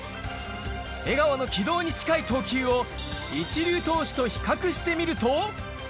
江川の軌道に近い投球を、一流投手と比較してみると。